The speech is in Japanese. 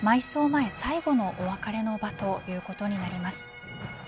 前最後のお別れの場ということになります。